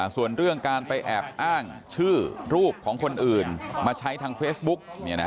ส่วนเรื่องการไปแอบอ้างชื่อรูปของคนอื่นมาใช้ทางเฟซบุ๊ก